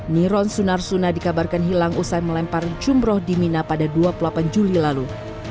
niron sunarsuna dikabarkan hilang usai melempar jumroh di mina pada dua puluh delapan juli lalu